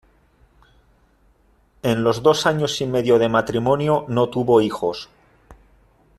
En los dos años y medio de matrimonio no tuvo hijos.